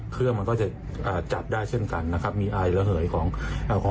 เครื่องมันก็จะจับได้เช่นกันนะครับมีอายเหลือเหยของอากอฮอล์